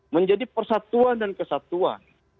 menjadi persatuan dan kesatuan